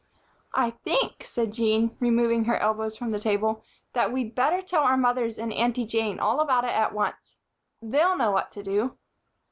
"I think," said Jean, removing her elbows from the table, "that we'd better tell our mothers and Aunty Jane all about it at once. They'll know what to do."